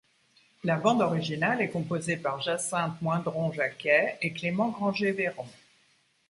La bande originale est composée par Jacynthe Moindron-Jacquet et Clément Granger-Veyron.